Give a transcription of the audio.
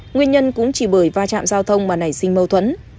nguyên nhân cũng chỉ bởi va chạm giao thông mà nảy sinh mâu thuẫn